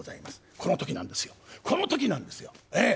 この時なんですよこの時なんですよ。ええ。